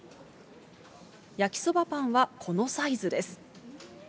焼きそばパンはこのサイズです。